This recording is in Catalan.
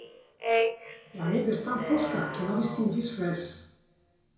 La nit és tan fosca que no distingisc res.